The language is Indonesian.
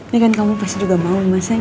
ya kan kamu pasti juga mau mas sayang